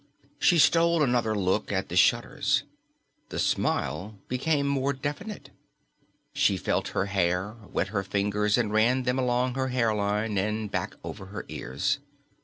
She stole another look at the shutters. The smile became more definite. She felt her hair, wet her fingers and ran them along her hairline and back over her ears.